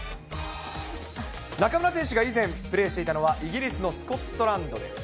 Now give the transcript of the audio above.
中村選手が以前、プレーしていたのは、イギリスのスコットランドです。